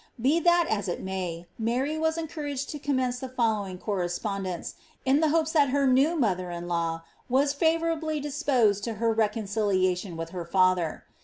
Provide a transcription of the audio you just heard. Be that as it may, Mary was encouraged to commence the following correspondence, in the hopes that her new mother in law was favourably disposed to her reconcilia tion with her father.